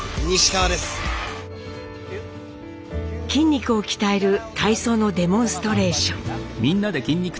筋肉を鍛える体操のデモンストレーション。